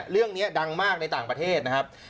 เรื่องนี้ดังมากในต่างประเทศนะครับ